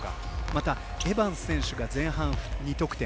また、エバンス選手が前半２得点。